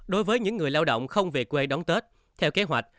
đối với những người lao động không về quê đón tết theo kế hoạch